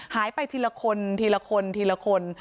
หายไปทีละคนทีละคนทีละคน